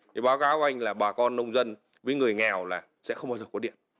thì báo cáo anh là bà con nông dân với người nghèo là sẽ không bao giờ có điện